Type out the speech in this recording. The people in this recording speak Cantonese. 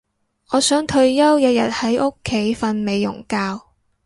我想退休日日喺屋企瞓美容覺